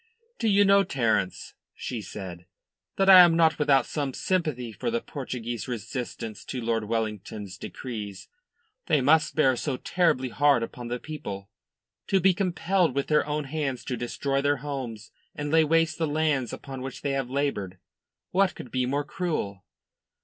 "Do you know, Terence," she said, "that I am not without some sympathy for the Portuguese resistance to Lord Wellington's decrees. They must bear so terribly hard upon the people. To be compelled with their own hands to destroy their homes and lay waste the lands upon which they have laboured what could be more cruel?"